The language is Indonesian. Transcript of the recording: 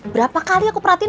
berapa kali aku perhatiin